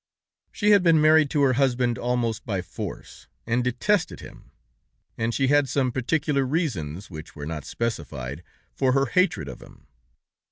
"She had been married to her husband almost by force, and detested him, and she had some particular reasons (which were not specified) for her hatred of him.